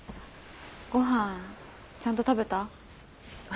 ごはんちゃんと食べた？